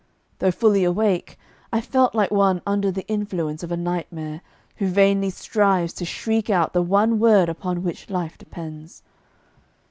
Though fully awake, I felt like one under the influence of a nightmare, who vainly strives to shriek out the one word upon which life depends.